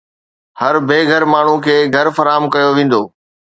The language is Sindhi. هر بي گهر ماڻهو کي گهر فراهم ڪيو ويندو.